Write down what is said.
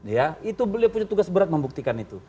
ya itu beliau punya tugas berat membuktikan itu